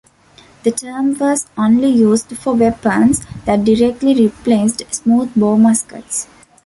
The term was only used for weapons that directly replaced smoothbore muskets.